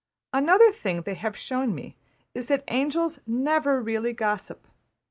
Another thing they have shown me is that angels never really gossip.